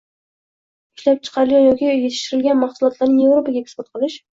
Ishlab chiqarilgan yoki yetishtirilgan mahsulotlarni Yevropaga eksport qilish.